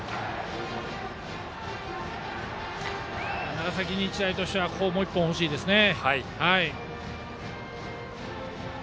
長崎日大としてはもう１本欲しいですね。